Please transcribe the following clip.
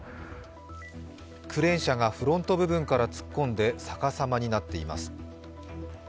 クレーン車がフロント部分から突っ込んで逆さまになっています。